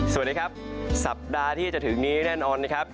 สวัสดีครับสัปดาห์ที่จะถึงนี้แน่นอนนะครับ